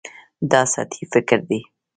دا سطحي فکر دی.